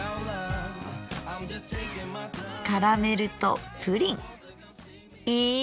カラメルとプリンいい！